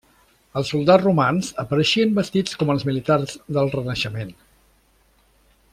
Els soldats romans apareixien vestits com els militars del Renaixement.